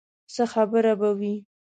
څه خبره به وي.